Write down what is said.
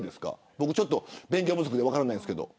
僕ちょっと勉強不足で分からないんですけど。